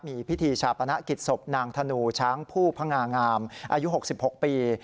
มีพิธีชาปนกิจศพนางธนูช้างผู้พงางามอายุ๖๖ปี